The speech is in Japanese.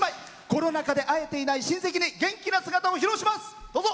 コロナ禍で会えていない親戚に元気な姿を披露します。